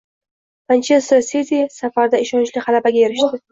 “Manchester Siti” safarda ishonchli g‘alabaga erishdi